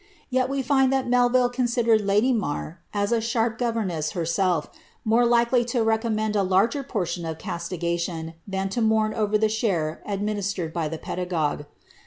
Yet we find that Melville considered lady Marr as a sharp governess herself, more likely to recom mend a larger portion of castigation than to mourn over the share ad ministered by the pedagogue.